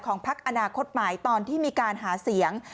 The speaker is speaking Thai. ของภักดิ์อนาคตหมายตอนที่มีการหาเสียง